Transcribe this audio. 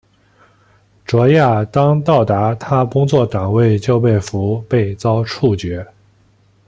卓娅刚到达她工作岗位就被俘并遭处决。